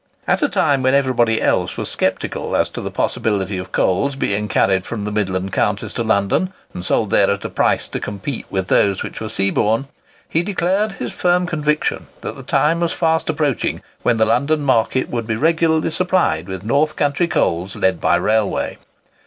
At a time when everybody else was sceptical as to the possibility of coals being carried from the midland counties to London, and sold there at a price to compete with those which were seaborne, he declared his firm conviction that the time was fast approaching when the London market would be regularly supplied with north country coals led by railway.